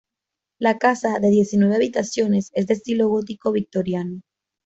La casa, de diecinueve habitaciones, es de estilo gótico victoriano.